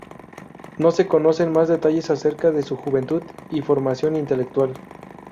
No se conocen más detalles acerca de su juventud y formación intelectual.